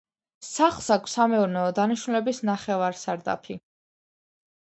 სახლს აქვს სამეურნეო დანიშნულების ნახევარსარდაფი.